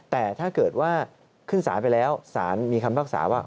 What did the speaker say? แต่ถ้าเกิดว่าขึ้นสารไปแล้วสารมีคำภาษาว่า